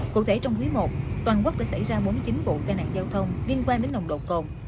cụ thể trong quý i toàn quốc đã xảy ra bốn mươi chín vụ tai nạn giao thông liên quan đến nồng độ cồn